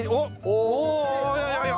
おいやいやいや。